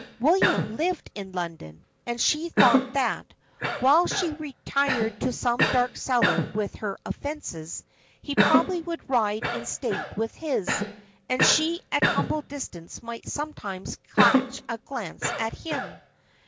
William lived in London; and she thought that, while she retired to some dark cellar with her offences, he probably would ride in state with his, and she at humble distance might sometimes catch a glance at him.